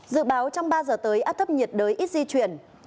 dự báo trong ba giờ tới áp thấp nhiệt đới ít di chuyển